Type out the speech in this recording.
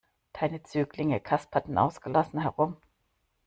Deine Zöglinge kasperten ausgelassen herum.